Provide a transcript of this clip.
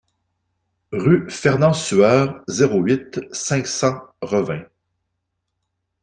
Rue Fernand Sueur, zéro huit, cinq cents Revin